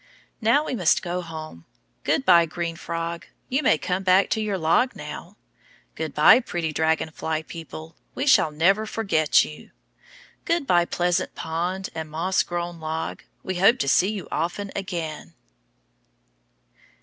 Now we must go home. Good by, green frog, you may come back to your log now. Good by, pretty dragon fly people, we shall never forget you. Good by, pleasant pond and moss grown log, we hope to see you often again.